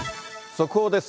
速報です。